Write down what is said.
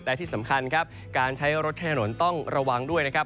และที่สำคัญครับการใช้รถใช้ถนนต้องระวังด้วยนะครับ